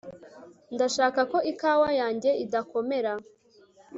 ndashaka ko ikawa yanjye idakomera